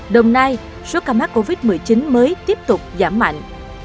đồng nai số ca mắc covid một mươi chín mới tiếp tục giảm mạnh